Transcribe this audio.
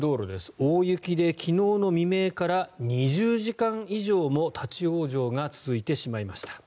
大雪で昨日の未明から２０時間以上も立ち往生が続いてしまいました。